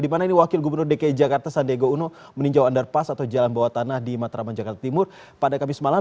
dimana ini wakil gubernur dki jakarta sandiego uno meninjau andar pas atau jalan bawah tanah di matraman jakarta timur pada khamis malam